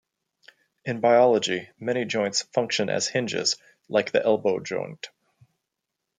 In biology, many joints function as hinges like the elbow joint.